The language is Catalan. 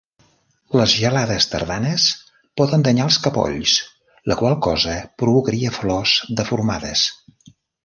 Les gelades tardanes poden danyar els capolls, la qual cosa provocaria flors deformades.